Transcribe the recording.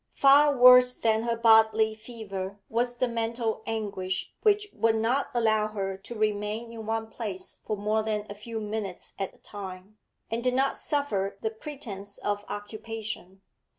Far worse than her bodily fever was the mental anguish which would not allow her to remain in one place for more than a few minutes at a time, and did not suffer the pretence of occupation.